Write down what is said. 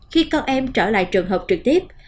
khi con em trở lại trường hợp trực tiếp